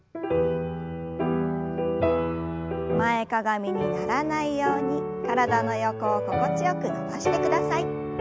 前かがみにならないように体の横を心地よく伸ばしてください。